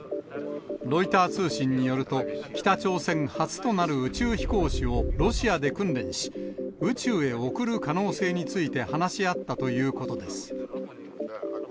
ロイター通信によると、北朝鮮初となる宇宙飛行士をロシアで訓練し、宇宙へ送る可能性について話し合ったということです。